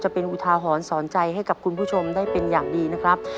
เป็นอุทาหรณ์สอนใจให้กับคุณผู้ชมได้เป็นอย่างดีนะครับ